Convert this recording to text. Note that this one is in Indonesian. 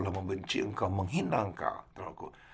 engkau akan membenci engkau akan menghina telah aku